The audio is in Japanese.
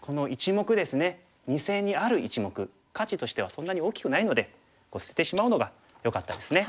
二線にある１目価値としてはそんなに大きくないので捨ててしまうのがよかったですね。